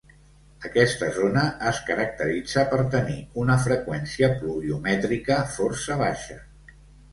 Aquesta zona es caracteritza per tenir una freqüència pluviomètrica força baixa.